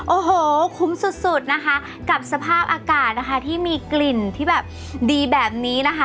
โอ้โหคุ้มสุดสุดนะคะกับสภาพอากาศนะคะที่มีกลิ่นที่แบบดีแบบนี้นะคะ